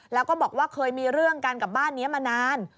แล้วก็บอกว่าเคยมีเรื่องกันกับบ้านนี้มานาน